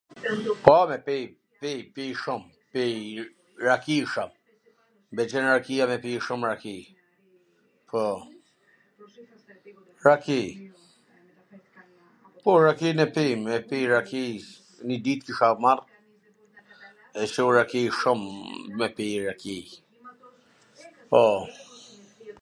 Po, me pi, pi shum, pi raki shum, m pwlqen rakia me pi shum raki, po, raki, po rakin e pim, e pi, raki, njw dit kisha marr kshtu raki shum me pi raki, po.